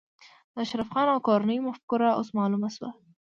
د اشرف خان او کورنۍ مفکوره اوس معلومه شوه